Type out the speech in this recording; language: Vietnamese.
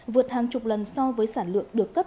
vượt hàng chục lần so với sản lượng được cấp